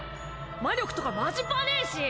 魔力とかマジパネェし！